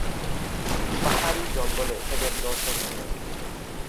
পাহাড়ি জঙ্গলে এদের দর্শন মেলে।